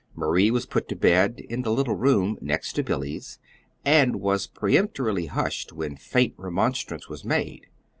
Marie was put to bed in the little room next to Billy's, and was peremptorily hushed when faint remonstrance was made.